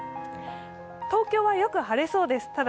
東京はよく晴れそうです。